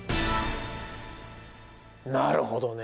なるほどね。